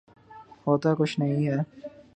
ہوتا کچھ نہیں ہے۔